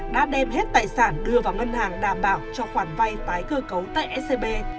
đã đem hết tài sản đưa vào ngân hàng đảm bảo cho khoản vay tái cơ cấu tại scb